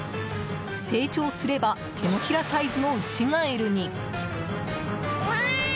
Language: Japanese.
成長すれば手のひらサイズのウシガエルに。